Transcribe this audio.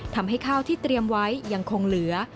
ทำให้ข้าวที่เตรียมไว้ยังคงเหลือ